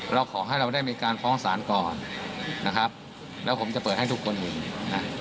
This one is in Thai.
เราขอให้เราได้มีการฟ้องศาลก่อนนะครับแล้วผมจะเปิดให้ทุกคนเห็นนะ